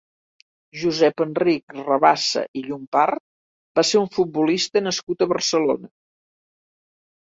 Josep Enric Rabassa i Llompart va ser un futbolista nascut a Barcelona.